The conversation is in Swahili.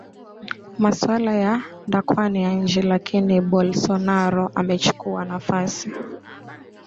masuala ya ndakwani ya nchi Lakini Bolsonaro amechukua nafasi